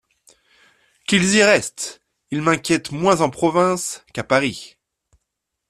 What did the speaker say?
Qu’ils y restent ; ils m’inquiètent moins en province qu’à Paris…